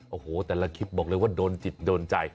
โอ้โหแต่ละคลิปบอกเลยว่าโดนจิตโดนใจ